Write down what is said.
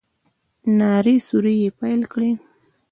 نارې سورې يې پيل کړې.